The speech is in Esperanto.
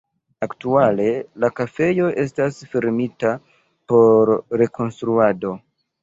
Aktuale la kafejo estas fermita por rekonstruado.